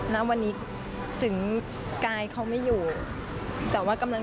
สวัสดีครับทุกคน